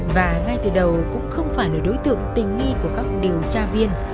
và ngay từ đầu cũng không phải là đối tượng tình nghi của các điều tra viên